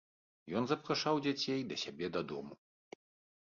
Ён запрашаў дзяцей да сябе дадому.